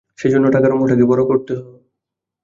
সেইজন্যে টাকার অঙ্কটাকে বড়ো করতে হল।